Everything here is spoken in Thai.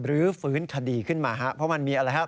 รื้อฟื้นคดีขึ้นมาครับเพราะมันมีอะไรครับ